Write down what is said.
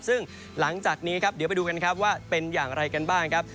ซึ่งหลังจากนี้ครับเดี๋ยวไปดูกันครับว่าเป็นอย่างไรกันบ้างครับ